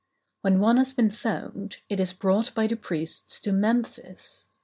When one has been found, it is brought by the priests to Memphis.